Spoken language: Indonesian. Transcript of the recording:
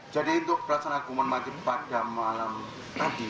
jadi untuk perasaan akumun mati pada malam tadi